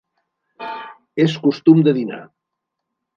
És costum de dinar.